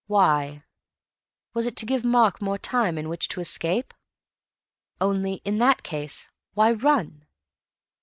Why? Was it to give Mark more time in which to escape? Only, in that case—why _run?